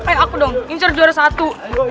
eh aku dong ini juara satu